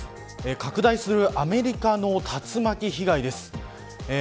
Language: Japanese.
拡大するアメリカの竜巻被害です。